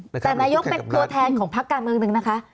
แต่นายกเป็นตัวแทนของพักการเมืองหนึ่งนะคะ